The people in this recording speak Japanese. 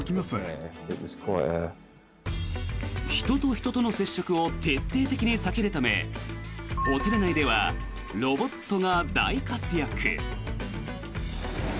人と人との接触を徹底的に避けるためホテル内ではロボットが大活躍。